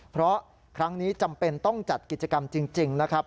เพราะครั้งนี้จำเป็นต้องจัดกิจกรรมจริงนะครับ